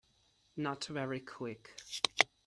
Not very Quick